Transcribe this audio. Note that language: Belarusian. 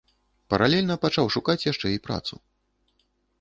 Паралельна пачаў шукаць яшчэ і працу.